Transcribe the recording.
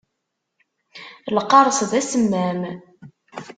Lqaṛes d asemmam.